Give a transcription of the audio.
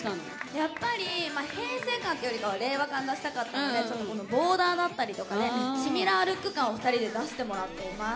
やっぱり平成感というよりかは令和感出したかったのでちょっとこのボーダーだったりとかでシミラールック感を２人で出してもらっています。